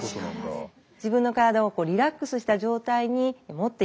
自分の体をリラックスした状態に持っていこう。